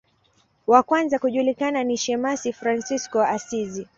Wa kwanza kujulikana ni shemasi Fransisko wa Asizi.